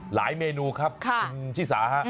หลายเมนูครับชิษา